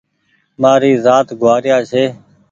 مآري زآت گوآريآ ڇي